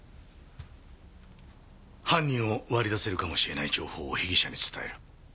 犯人を割り出せるかもしれない情報を被疑者に伝える。